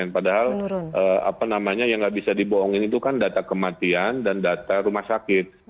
padahal apa namanya yang nggak bisa dibohongin itu kan data kematian dan data rumah sakit